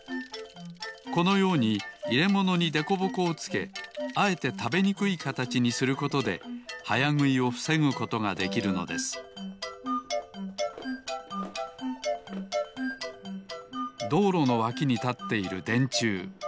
このようにいれものにでこぼこをつけあえてたべにくいかたちにすることではやぐいをふせぐことができるのですどうろのわきにたっているでんちゅう。